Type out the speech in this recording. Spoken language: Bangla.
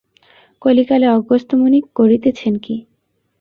কলিকালে অগস্ত্য মুনি করিতেছেন কী।